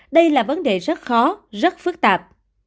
đây là vấn đề rất khó rất phức tạp